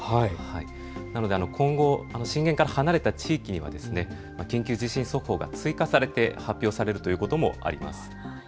なので今後、震源から離れた地域には緊急地震速報が追加されて発表されるということもあります。